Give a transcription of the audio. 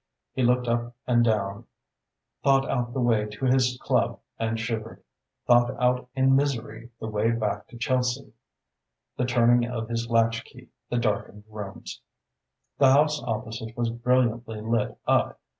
He looked up and down, thought out the way to his club and shivered, thought out in misery the way back to Chelsea, the turning of his latch key, the darkened rooms. The house opposite was brilliantly lit up.